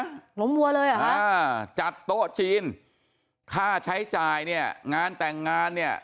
ล้มวัวเลยเหรอฮะอ่าจัดโต๊ะจีนค่าใช้จ่ายเนี่ยงานแต่งงานเนี่ย